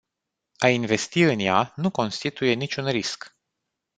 A investi în ea nu constituie niciun risc.